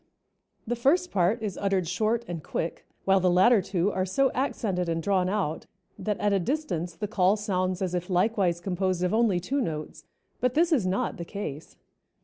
The first part is uttered short and quick, while the latter two are so accented and drawn out, that at a distance the call sounds as if likewise composed of only two notes, but this is not the case.